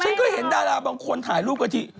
ฉันก็เห็นดาราบางคนถ่ายรูปกันที